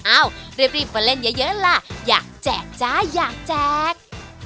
อ้าวรีบไปเล่นเยอะล่ะอยากแจกจ๊ะอยากแจก